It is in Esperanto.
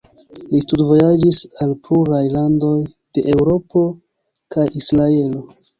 Li studvojaĝis al pluraj landoj de Eŭropo kaj Israelo.